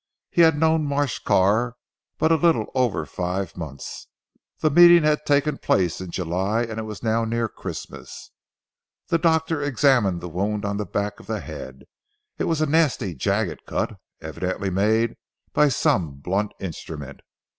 He had known Marsh Carr but a little over five months. The meeting had taken place in July and it was now near Christmas. The doctor examined the wound on the back of the head. It was a nasty jagged cut, evidently made by some blunt instrument.